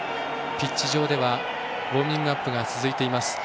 ピッチ上ではウォーミングアップが続いています。